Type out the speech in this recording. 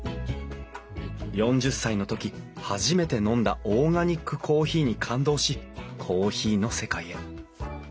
４０歳の時初めて飲んだオーガニックコーヒーに感動しコーヒーの世界へ。